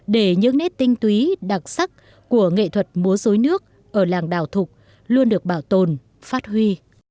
để những nét tinh túy đặc sắc của nghệ thuật múa dối nước ở làng đào thục luôn được bảo tồn phát huy